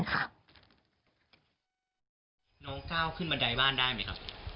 น้องก้าวขึ้นบันไดบ้านได้ไหมครับ